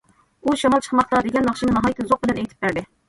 ئۇ« شامال چىقماقتا» دېگەن ناخشىنى ناھايىتى زوق بىلەن ئېيتىپ بەردى.